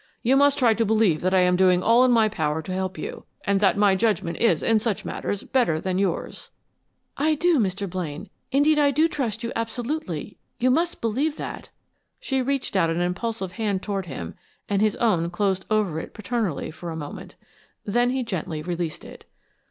You must try to believe that I am doing all in my power to help you, and that my judgment is in such matters better than yours." "I do, Mr. Blaine. Indeed I do trust you absolutely; you must believe that." She reached out an impulsive hand toward him, and his own closed over it paternally for a moment. Then he gently released it.